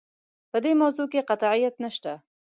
په دې موضوع کې قطعیت نشته.